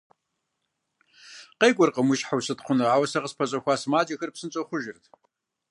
КъекӀуркъым уи щхьэ ущытхъуну, ауэ сэ къыспэщӀэхуэ сымаджэхэр псынщӀэу хъужырт.